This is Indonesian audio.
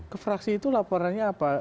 kefraksi itu laporannya apa